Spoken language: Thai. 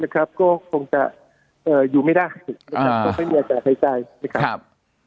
ก็คงจะอยู่ไม่ได้นะครับคงไม่มีอากาศหายใจนะครับ